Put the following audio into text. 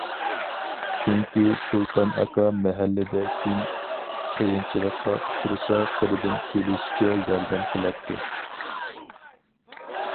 چۈنكى، سۇلتان ئاكا مەھەللىدە كىم قىيىنچىلىققا ئۇچرىسا، قولىدىن كېلىشىچە ياردەم قىلاتتى.